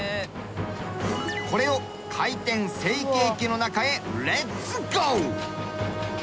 これを回転成型機の中へレッツゴー！